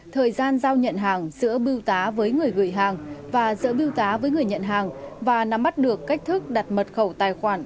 thời gian giao nhận hàng giữa biêu tá với người gửi hàng và giữa biêu tá với người nhận hàng và nắm bắt được cách thức đặt mật khẩu tài khoản